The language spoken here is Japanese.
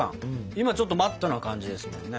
今ちょっとマットな感じですもんね。